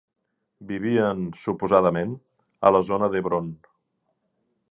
Vivien suposadament a la zona d'Hebron.